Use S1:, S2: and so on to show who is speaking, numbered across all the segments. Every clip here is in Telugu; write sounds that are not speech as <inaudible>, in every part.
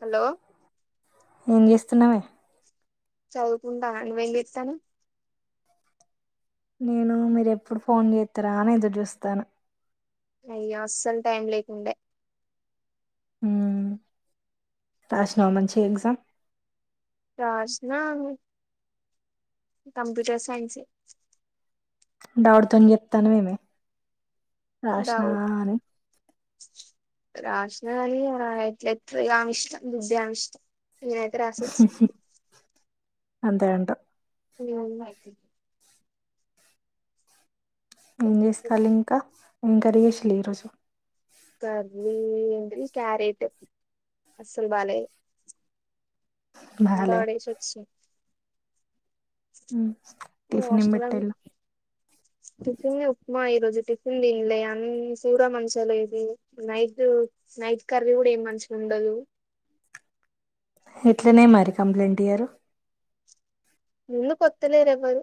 S1: హలో
S2: ఏం చేస్తున్నావే
S1: చదువుకుంటా నువ్వేం చెప్తున్నావ్
S2: నేను మీరు ఎప్పుడు ఫోన్ చేస్తారా అని ఎదురు చూస్తాను
S1: అయ్యో అస్సలు టైమ్ లేకుండే
S2: రాసినావా మంచిగా ఎగ్జామ్
S1: రాసిన కంప్యూటర్ సైన్స్
S2: దాడుతోని చెత్తన్నవేమే రాసినా
S1: డౌట్
S2: అని
S1: రాసిన ఎట్లనో ఇష్టం బుధ ఇష్టం నేనైతే రాసచ్చిన
S2: అంతే అంట
S1: ఏం కాదు తియ్యి
S2: ఏం చేస్తారు ఇంకా ఏం కర్రీ చేసిర్రు ఈరోజు
S1: కర్రీ ఏంటిది, క్యారెట్ అస్సలు బాలేదు. ఎంతా
S2: బాలే
S1: ఆడెస్ వచ్చిన
S2: మ్ టిఫిన్ ఏం
S1: హాస్టల్
S2: పెట్టాలు?
S1: టిఫిన్ ఉప్మా. ఈ రోజు టిఫిన్ తిన్లే అన్ చూర మంచోలే ఇది నైదు నైట్ కర్రీ కూడ ఏం మంచిగా ఉండదు.
S2: ఎట్లనే మరి? కంప్లైంట్ ఇయ్యరు?
S1: ముందుకొత్తలేరు ఎవ్వరు.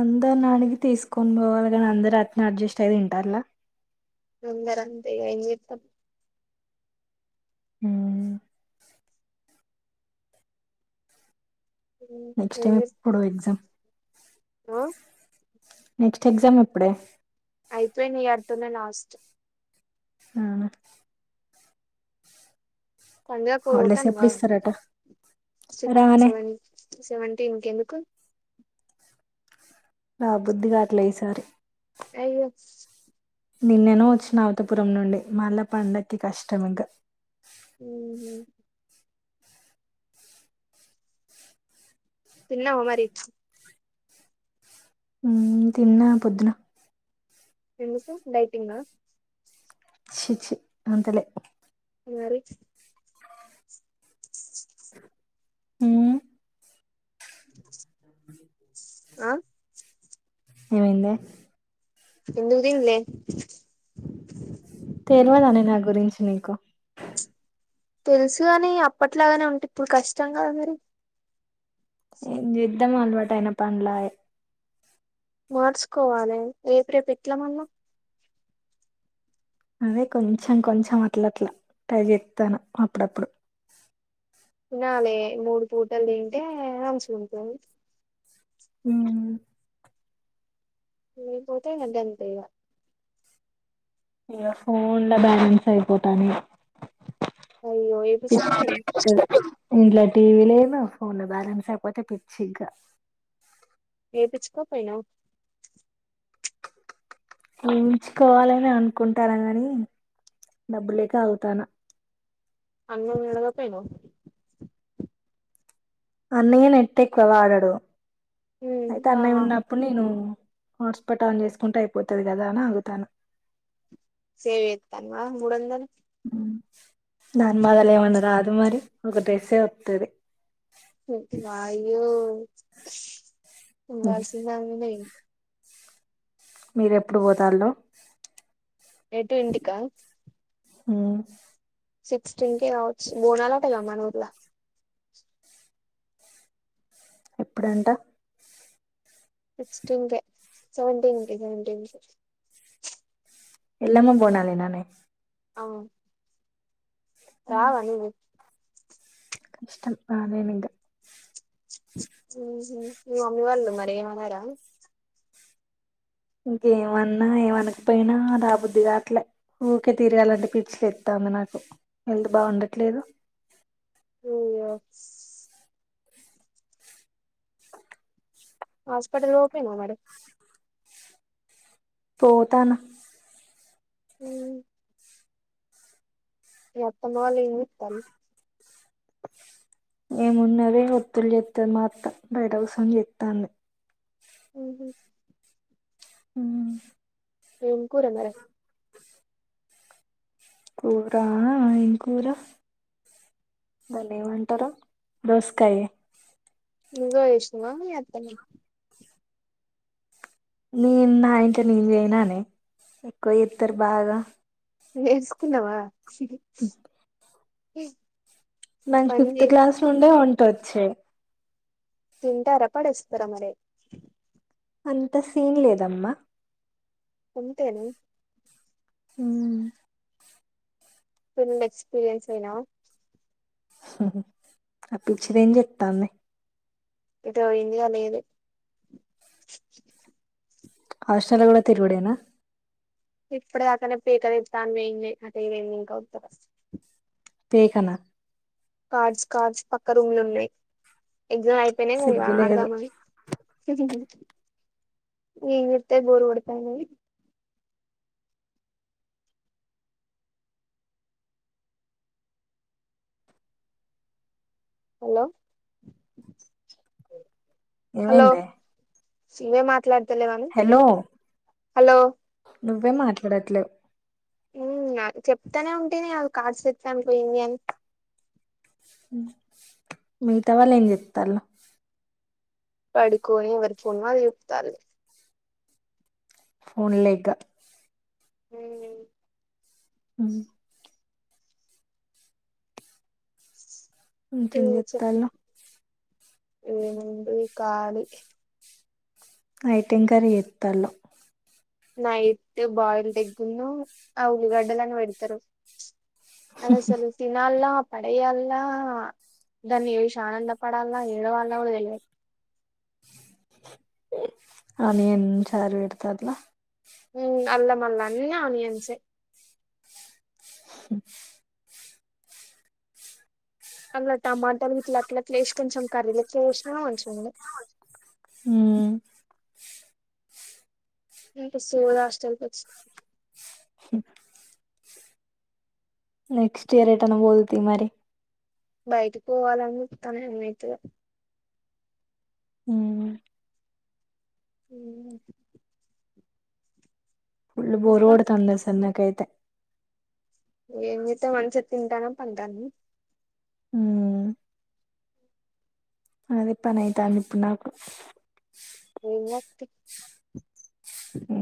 S2: అందరినడిగి తీసుకొని పోవాలి గా! అందరు అట్టనె అడ్జస్ట్ అయి తింటారులా.
S1: అందరు అంతేగా, ఏం చెత్తాం.
S2: మ్
S1: ఆ
S2: నెక్స్ట్ టైం ఎప్పుడు ఎగ్జామ్?
S1: ఆ
S2: నెక్స్ట్ ఎగ్జామ్ ఇప్పుడే?
S1: అయిపోయినయి ఇయర్తోనే లాస్ట్.
S2: అవునా
S1: సంధ్యకు
S2: హాలిడేస్
S1: తనువా
S2: ఎప్పుడు ఇస్తారట
S1: సిక్స్,
S2: రానే
S1: సెవెన్, సెవెన్ తిన్ కెందుకు
S2: నా బుద్ది గాట్లే ఈసారి
S1: అయ్యో
S2: నిన్నేనో వచ్చిన అవతపురం నుండి. మళ్ళా పండక్కి కష్టం ఇంక.
S1: ఉహు తిన్నవ మరి?
S2: మ్ తిన్న పొద్దున.
S1: ఎందుకు డైటింగా?
S2: చి చి అంతలే.
S1: మరి
S2: మ్
S1: ఆ
S2: ఏమైంది?
S1: ఎందుకు తిన్లే?
S2: తెల్వదానె నా గురించి నీకు?
S1: తెలుసు కాని, అప్పట్లాగనే ఉంటే ఇప్పుడు కష్టం కాద మరి!
S2: ఏం చేద్దాం! అలవాటయిన పన్లాయే.
S1: మార్చుకోవాలె ఏప రేపెట్ల మల్ల?
S2: అదే కొంచెం కొంచెం అట్లట్లా ట్రై చెత్తాను. అప్పుడప్పుడు.
S1: తినాలే మూడు పూటలు తింటే, అంచుకుంటుంది.
S2: మ్
S1: ఏ పోతే ఇంగంతె అంతే ఇగ.
S2: ఇగ ఫోన్ల బ్యాలెన్స్ అయిపోతనే
S1: అయ్యో ఏపిచ్చుకోపోయినవ్
S2: <unintelligible> ఇంట్ల టీవీ లేదు. ఫోన్ లో బ్యాలెన్స్ అయిపోతే పిచ్చి ఇగ.
S1: ఏపిచ్చికో పోయినవ్,
S2: చేయించుకోవాలని అనుకుంటార గాని, డబ్బు లేక అగుతాన్న.
S1: అన్నయనడగకపోయినావ్?
S2: అన్నయ్య నెట్ ఎక్కువ వాడడు. అయితే,
S1: ఉమ్
S2: అన్నయ్య
S1: ఆ
S2: ఉన్నప్పుడు నేను, హాట్స్పాట్ ఆన్ చేసుకుంటే, అయిపోతది కదా అని ఆగుతాన.
S1: సేవ్ చేత్తాన్నవా మూడొందలు?
S2: దానిమాదాలు ఏమన్నా రాదు మరి, ఒక డ్రెస్సే వత్తది.
S1: వాయ్యో ఉండాల్సిన దానివే.
S2: మీర్ ఎప్పుడు పోతాల్లో?
S1: ఏటు ఇంటికా
S2: హు
S1: సిక్స్టెన్ కే కావచ్చు బోనాలట గా మన ఊర్లా
S2: ఎప్పుడంట
S1: సిక్స్టెన్ కే సెవెన్ టిన్ కి సెవెన్ టిన్ కి
S2: ఎల్లమ్మ బోనాలే నానే
S1: అవు రావా నవు
S2: కష్టం రాలేను ఇగ
S1: హు మమ్మీ వాళ్ళు మరి ఏమన్నారా
S2: ఇంకేమన్నా ఏమనకపోయినా రాబుద్ది గాట్లే ఊకే తిరగాలంటే పిచ్చి లేస్తోంది వుంది నాకు హెల్త్ బాగుండట్లేదు
S1: ఉయ్యో హాస్పిటల్ పో పోయినవ్ మరే
S2: పోతన
S1: <inaudible> మీ అత్తమ్మ వాళ్లు ఏం చేత్తాలు
S2: ఏమున్నది ఒత్తులు చేతది మా అత్త బయట కూసోని చేతంది
S1: ఉహు
S2: ఉహు
S1: ఎం కూర మరే
S2: కూరా ఎమ్ కూర దాన్ని ఏమంటారు దోసకాయ
S1: నువ్వే చేసినావా మీ అత్తనా
S2: నేను నా ఇంట్ల నేను చేయనానే ఎక్కువ చేస్తారు బాగా
S1: నేరసుకున్నావా
S2: నాకు ఫిఫ్త్ క్లాస్ నుండే వంట చెయ్
S1: తింటారా పడేస్తారా మరే
S2: అంత సీన్ లేదమ్మా
S1: అంతేనా
S2: హు
S1: ఫుల్లు ఎక్స్పీరియన్స్ అయినావా
S2: ఆ పిచ్చిది ఏం చేతంది
S1: ఎటో పోయింది గా లేదు
S2: హాస్టల్లో కూడా తిరుగుడేనా
S1: ఇప్పటి దాకనే పేక తెత్త అని పోయింది అటే పోయింది ఇంకా వత్తాలే
S2: తేక నా
S1: కార్డ్స్ కార్డ్స్ పక్క రూమ్ లో ఉన్నాయి ఎగ్జామ్ అయిపోయినాయి
S2: సిగ్గులేదు
S1: ఆడదామని ఏం చేస్తది జడ ఓడిపోయింది హలో
S2: ఏమైందే
S1: సీవే మాట్లాడతలేవాని
S2: హలో
S1: హలో
S2: నువ్వే మాట్లాడట్లేవు
S1: హు చెప్తానే ఉంటిని అది కార్డ్స్ తెత్తానికి పోయింది అని
S2: హు మిగతా వాళ్ళు ఏం చేత్తాళ్లు
S1: పడుకోయి ఎవరి ఫోన్ వాళ్లు సూత్తాళ్ళు
S2: ఫోన్లే ఇగ
S1: <unintelligible>
S2: హు ఇంకన్ గత్తలా
S1: ఇబ కాలి
S2: అఐటింకలో
S1: నైట్ బాయిల్ ఎగ్గును ఆ ఉల్లిగడ్డలని పెడతారు అద సలుస నాలు పడయ్యల్లా దాన్ని ఏసి ఆనంద పడాల ఏవల్లా కూడా తెలియదు
S2: అ నయన్ చారు ఇడతద్లా
S1: ఉ అల్లమల్ల అన్న అనియన్ంచే అందులా టమాటాలు ఇట్లా అట్లాట్సి కొంచం కర్రీలట్ వసినంచం
S2: ఉమ్
S1: ఇస్తు హస్టల్కి వచ్చ
S2: నెక్స్ట్ ఇయర్ ఏటనా పోదు మరి
S1: బయటకి పోవాలని తన అన్మైతుగా
S2: ఉమ్
S1: అ
S2: ఫళ్ళు బోరువోడ తొంద స అన్నక అైతే
S1: ఏం చెతే మంచి తింటానో పంటాను
S2: అ అదే ప నై తా అందిప్పు నాకు
S1: ఇమతి
S2: ఉ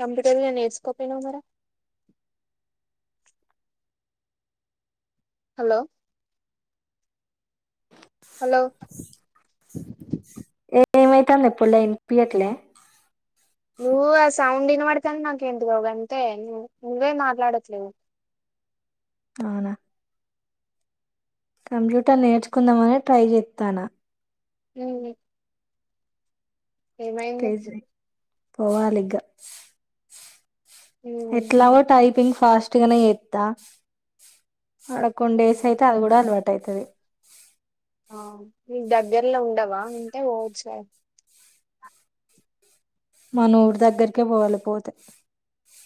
S1: కంప్యూటర్ గా నేర్చుకోపోయినా మరా హలో హలో
S2: ఏ ఏమైతుంది ఎప్పుడుళని పయట్లే
S1: నువ్వు ఆ సౌండ్ వినబడి కాని నాకు ఎందుకు అంతే నువ్వు నువ్వే మాట్లాడట్లేవు
S2: అవునా కంప్యూటర్ నేర్చుకుందామని ట్రై చేస్తాను
S1: ఉ ఏమైంది
S2: పోవాలిగా
S1: ఉమ్
S2: ఎట్లాగో టైపింగ్ ఫాస్ట్ గానే ఎస్తా అడకొన్ డేస్
S1: ఉమ్.
S2: అయితే అది కూడా అలవాడత ట్టైతుది
S1: ఆ న దగ్గర్లో ఉండవా ఉంటే ఓసార్
S2: మన ఊరు దగ్గరికే పోవాలిపోతే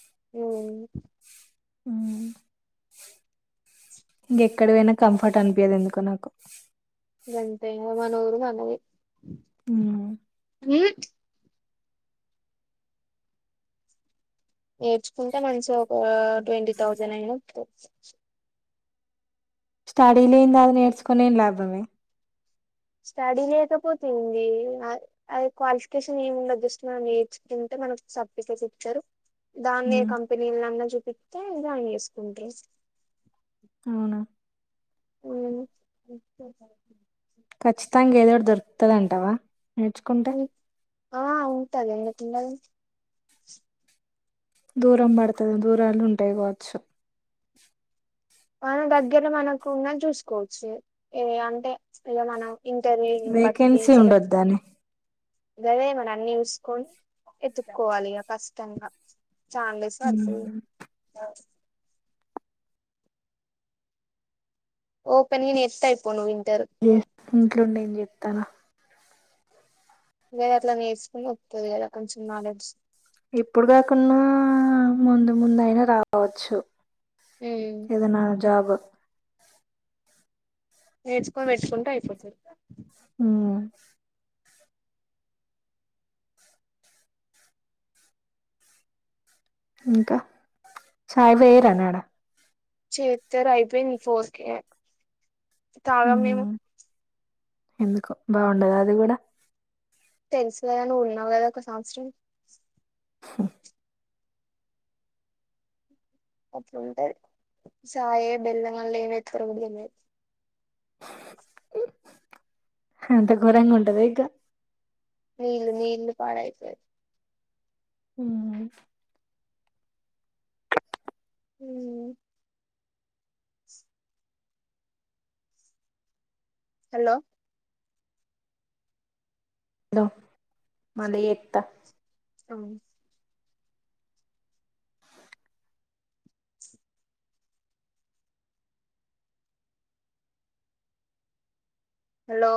S1: హ్మ్
S2: ఉమ్ ఇంకెక్కడ పోయినా కంఫర్ట్ అనిపించదు ఎందుకో నాకు
S1: గంతే మనరు మనవి
S2: ఉమ్
S1: నేర్చుకుంటే మంచిగా ఒక ట్వంటీ థౌజండ్ అయిన
S2: స్టడీ లేంద అది నేర్చుకునేం లాభమే
S1: స్టడీ లేకపోతుంది అది క్వాలిఫికేషన్ ఏమి ఉండదుస్తు మం ఏడ్జు కింటే మన సప్పికేసి ఇచ్చారు దాన్ని
S2: ఉమ్
S1: కంపెనీలన్నా చూపిస్తే దాన్ని చేసుకుంట్రారు
S2: అవునా
S1: ఉ
S2: ఖచ్చితంగా ఏదోటి దొరుకుతుందంటావా నేర్చుకుంటే
S1: ఉం- ఆ ఉంటగా ఎ తింద ఉ
S2: దూరం పడతది దూరాలు ఉంటాయి కావచ్చు
S1: మన దగ్గర మనకు ఉన్నది చూసుకోవచ్చు ఏ అంటే ఇలా మనం ఇంటర్వ్యూను బట్టి
S2: వేకెన్సీ ఉండదు
S1: సెలెక్ట్
S2: దాని
S1: గదే మరీ అన్ని చూసుకొని ఎత్తుకోవాలిక కష్టంగా చానా డేస్ పడతాది ఓపెన్ నేను ఎత్తా ఇప్పుడు నువ్వు విను
S2: ఇంట్లోండే నేను చెప్తానా
S1: గదే అట్లా నేర్చుకుని వత్తది కదా కొంచెం నాలెడ్జ్
S2: ఇప్పుడు కాకున్నా ముందు ముందు అయినా రావచ్చు
S1: ఉమ్
S2: ఏదన్నా జాబు
S1: నేర్చుకుని పెట్టుకుంటే అయిపోతది
S2: ఉమ్ ఇంకా చాయ్ వేరనాడా
S1: చేత్తారు అయిపోయింది ఫోర్ కె తాగం మేము
S2: ఎందుకో బావుండదా అది కూడా
S1: తెలుసు కదా నువ్వున్నావు కదా ఒక సంవత్సరం
S2: స
S1: అట్లుంటది చాయ్ బెల్లం వాళ్ళు ఏమ్ వేత్తారో కూడా తెల్వదు
S2: అంత గోరంగా ఉంటద ఇక
S1: నీళ్లు నీళ్లు పాడేసే
S2: హ
S1: హ హలో
S2: మళ్లీ చెప్తా
S1: అవును హలో